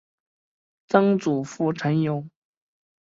曾祖父陈友。